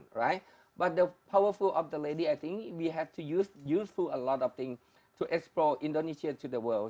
tapi untuk perempuan yang kuat saya pikir kita harus menggunakan banyak hal untuk mengembangkan indonesia ke dunia